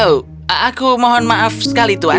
oh aku mohon maaf sekali tuan